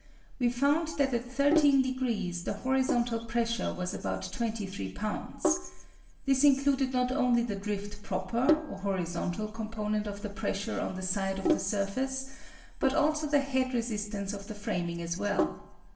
We found that at 13 degrees the horizontal pressure was about 23 lbs. This included not only the drift proper, or horizontal component of the pressure on the side of the surface, but also the head resistance of the framing as well.